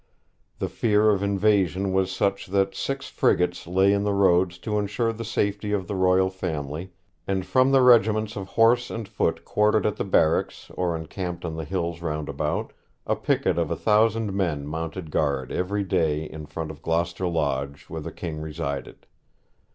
The fear of invasion was such that six frigates lay in the roads to ensure the safety of the royal family, and from the regiments of horse and foot quartered at the barracks, or encamped on the hills round about, a picket of a thousand men mounted guard every day in front of Gloucester Lodge, where the King resided.